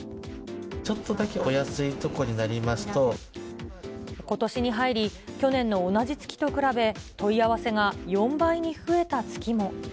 ちょっとだけお安い所になりことしに入り、去年の同じ月と比べ、問い合わせが４倍に増えた月も。